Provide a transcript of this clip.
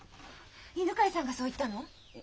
犬飼さんがそう言ったの？